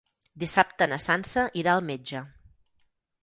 Dissabte na Sança irà al metge.